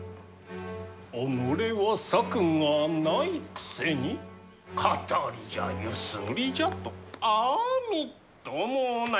己は策がないくせに騙りじゃゆすりじゃとあみっともない。